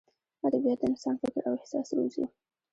ادبیات د انسان فکر او احساس روزي.